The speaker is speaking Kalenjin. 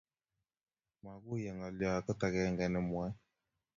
Maguiye ngolyo agot agenge nenwae